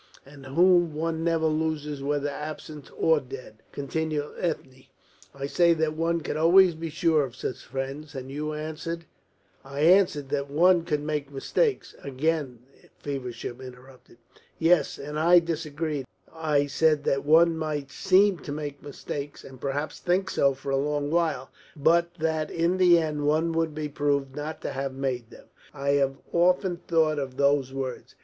"And whom one never loses whether absent or dead," continued Ethne. "I said that one could always be sure of such friends, and you answered " "I answered that one could make mistakes," again Feversham interrupted. "Yes, and I disagreed. I said that one might seem to make mistakes, and perhaps think so for a long while, but that in the end one would be proved not to have made them. I have often thought of those words.